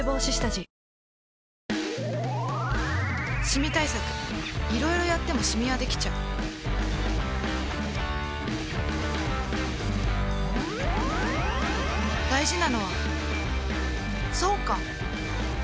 シミ対策いろいろやってもシミはできちゃう大事なのはそうか！